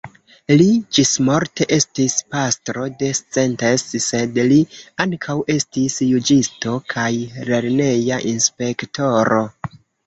Li ĝismorte estis pastro de Szentes, sed li ankaŭ estis juĝisto, kaj lerneja inspektoro.